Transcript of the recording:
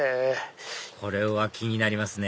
これは気になりますね